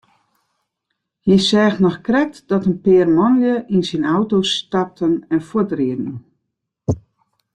Hy seach noch krekt dat in pear manlju yn syn auto stapten en fuortrieden.